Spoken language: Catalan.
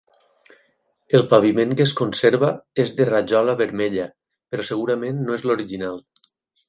El paviment que es conserva és de rajola vermella, però segurament no és l'original.